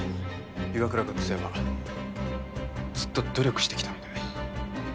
岩倉学生はずっと努力してきたので。